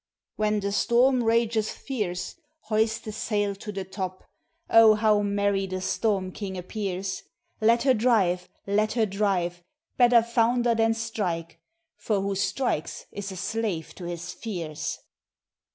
"When the storm rageth fierce, hoist the sail to the top, O how merry the storm king appears; Let her drive! let her drive! better founder than strike, for who strikes is a slave to his fears.